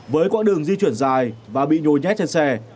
với quãng đường di chuyển dài và bị nhồi nhét trên xe